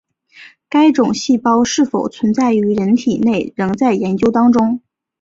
该种细胞是否存在于人体内仍在研究当中。